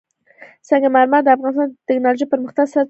سنگ مرمر د افغانستان د تکنالوژۍ پرمختګ سره تړاو لري.